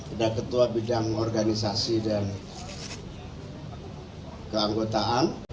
ada ketua bidang organisasi dan keanggotaan